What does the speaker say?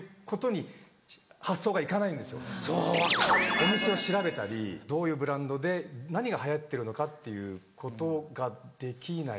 お店を調べたりどういうブランドで何が流行ってるのかっていうことができない。